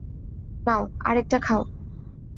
নাও, আরেকটা খাও।